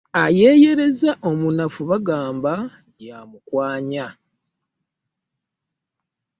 Ayeeyereza omunafu bagamba y'amukwanya.